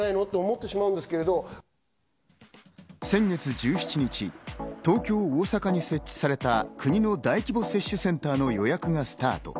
先月１７日、東京、大阪に設置された国の大規模接種センターの予約がスタート。